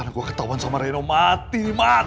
kalo gue ketauan sama reno mati